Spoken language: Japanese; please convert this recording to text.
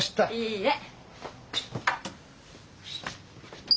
いいえ。